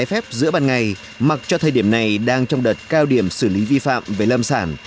trái phép giữa ban ngày mặc cho thời điểm này đang trong đợt cao điểm xử lý vi phạm về lâm sản